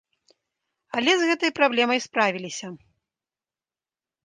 Але з гэтай праблемай справіліся.